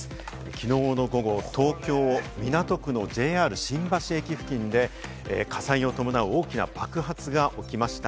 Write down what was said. きのう午後、東京・港区のＪＲ新橋駅付近で火災を伴う大きな爆発が起きました。